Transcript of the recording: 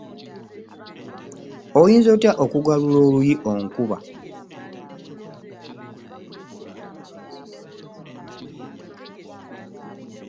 Oyinza otya okugalula oluyi onkuba?